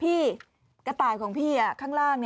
พี่กระต่ายของพี่ข้างล่าง